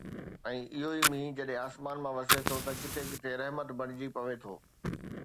۽ اهو ئي مينهن جڏهن آسمان مان وسي ٿو ته ڪٿي ڪٿي رحمت بڻجي پوي ٿي